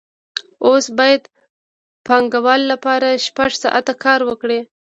اوس باید د پانګوال لپاره شپږ ساعته کار وکړي